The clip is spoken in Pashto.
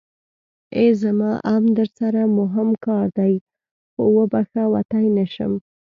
ای زما ام درسره موهم کار دی خو وبښه وتی نشم.